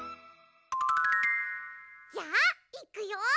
じゃあいくよ！